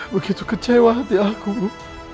begitu kecewa hati aku